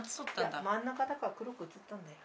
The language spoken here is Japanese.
真ん中だから黒く写ったんだよ。